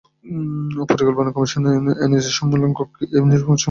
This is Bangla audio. পরিকল্পনা কমিশনের এনইসি সম্মেলন কক্ষে এ সংবাদ সম্মেলন হয়।